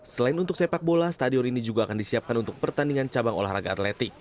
selain untuk sepak bola stadion ini juga akan disiapkan untuk pertandingan cabang olahraga atletik